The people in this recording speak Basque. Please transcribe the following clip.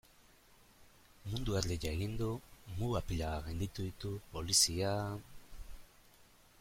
Mundu erdia egin du, muga pila bat gainditu ditu, polizia...